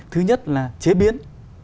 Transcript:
thứ nhất là chế biến